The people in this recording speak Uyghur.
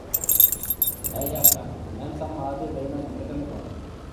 -ھەي ئەخمەق، مەن ساڭا ھازىر بېرىمەن دېمىدىمغۇ.